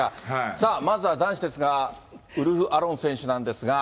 さあ、まずは男子ですが、ウルフ・アロン選手なんですが。